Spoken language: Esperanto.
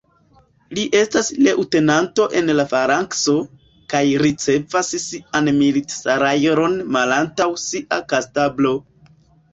Li estas leŭtenanto en la _falankso_ kaj ricevas sian milit-salajron malantaŭ sia kastablo.